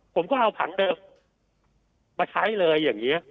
ผมก็เอาผังเดิมมาใช้เลยอย่างนี้